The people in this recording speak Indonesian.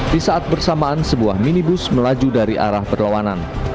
di saat bersamaan sebuah minibus melaju dari arah berlawanan